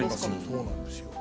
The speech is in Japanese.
そうなんですよ。